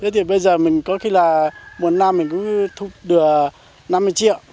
thế thì bây giờ mình có khi là mùa năm mình cũng thu được năm mươi triệu